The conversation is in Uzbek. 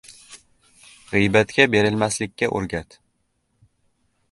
– g‘iybatga berilmaslikka o‘rgat;